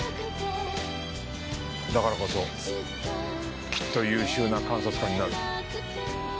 だからこそきっと優秀な監察官になる。